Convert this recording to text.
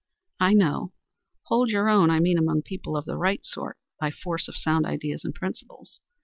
"I know. Hold your own, I mean, among people of the right sort by force of sound ideas and principles.